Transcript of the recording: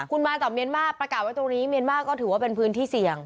คุณมาต่อเมียนมาร์ประกาศไว้ตรงนี้เมียนมาร์ก็ถือว่าเป็นพื้นที่เสี่ยง